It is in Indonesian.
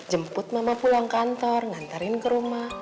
jemput mama pulang kantor ngantarin ke rumah